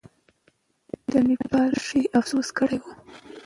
د نېپال ښځې افسوس کړی وو.